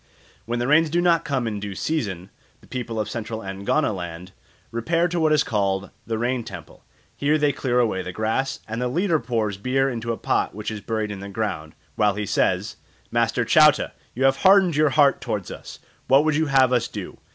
When the rains do not come in due season the people of Central Angoniland repair to what is called the rain temple. Here they clear away the grass, and the leader pours beer into a pot which is buried in the ground, while he says, "Master Chauta, you have hardened your heart towards us, what would you have us do?